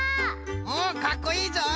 おっかっこいいぞい！